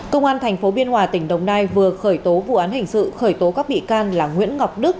công an tp biên hòa tỉnh đồng nai vừa khởi tố vụ án hình sự khởi tố các bị can là nguyễn ngọc đức